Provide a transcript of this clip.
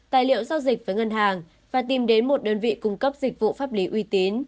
tài liệu giao dịch với ngân hàng và tìm đến một đơn vị cung cấp dịch vụ pháp lý uy tín